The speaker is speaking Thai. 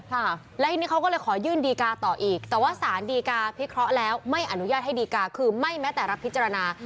ค่ะแล้วทีนี้เขาก็เลยขอยื่นดีกาต่ออีกแต่ว่าสารดีกาพิเคราะห์แล้วไม่อนุญาตให้ดีกาคือไม่แม้แต่รับพิจารณา